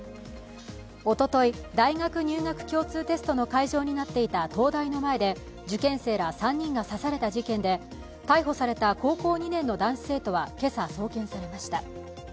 おととい、大学入学共通テストの会場になっていた東大の前で受験生ら３人が刺された事件で逮捕された高校２年の男子生徒は今朝、送検されました。